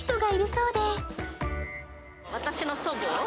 私の祖母。